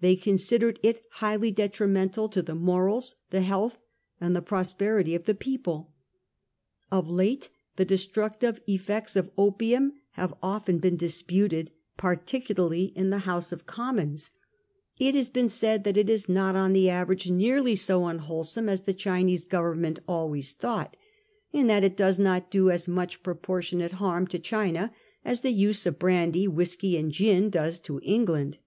They considered it highly de trimental to the morals, the health and the prosperity of the people. Of late the destructive effects of opium have often been disputed, particularly in the House 170 A HISTORY OF OUR OWN TIMES. CB. t nr. of Commons. It has been said that it is not on the average nearly so unwholesome as the Chinese go vernments always thought, and that it does not do as much proportionate harm to China as the use of brandy, whisky, and gin does to England.